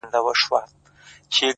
ستا په ليدو مي ژوند د مرگ سره ډغري وهي،